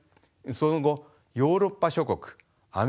その後ヨーロッパ諸国アメリカ